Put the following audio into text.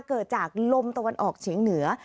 เกิดจากลมตะวันออกเฉียงเหนือ